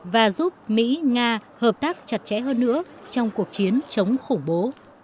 và giúp mỹ nga hợp tác chặt chẽ hơn nữa trong cuộc chiến chống khủng bố